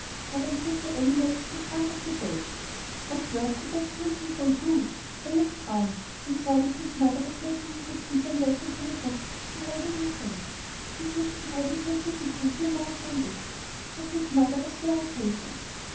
I went with the animals to the front of the boat. What work could that poor little boy do? I looked round and saw that his mother was making him repeat a lesson from a book she held in her hand. He seemed to be having great difficulty in mastering it, but his mother was very patient.